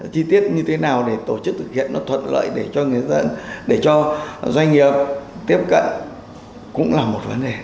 chi tiết như thế nào để tổ chức thực hiện nó thuận lợi để cho doanh nghiệp tiếp cận cũng là một vấn đề